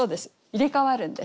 入れ代わるんです。